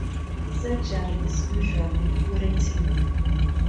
Surgery is usually curative.